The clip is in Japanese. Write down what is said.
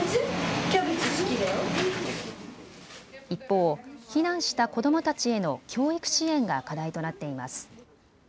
一方、避難した子どもたちへの教育支援が課題となっています。